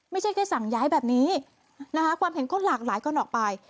ไม่ใช่แค่สั่งย้ายแบบนี้นะคะความเห็นก็หลากหลายกันออกไป